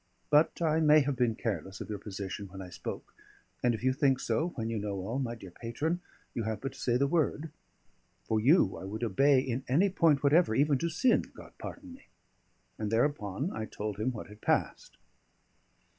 But I may have been careless of your position when I spoke; and if you think so when you know all, my dear patron, you have but to say the word. For you I would obey in any point whatever, even to sin, God pardon me!" And thereupon I told him what had passed.